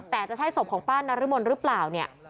แต่จะใช่ศพของป้านรมนหรือเปล่าเนี่ย